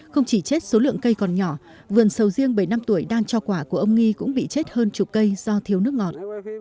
không chỉ chết số lượng cây còn nhỏ vườn sầu riêng bảy năm tuổi đang cho quả của ông nghi cũng bị chết hơn chục cây do thiếu nước ngọt